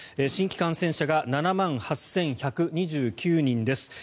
新規感染者が７万８１２９人です。